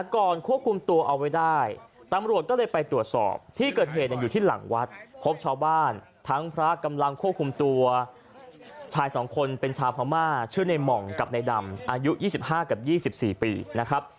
ก่อนควบคุมตัวเอาไว้ได้ตำรวจก็เลยไปตรวจสอบที่เกิดเหตุอยู่ที่หลังวัดพบชาวบ้านทั้งพระกำลังควบคุมตัวชายสองคนเป็นชาวพม่าชื่อในหม่องกับในดำอายุ๒๕กับ๒๔ปีนะครับ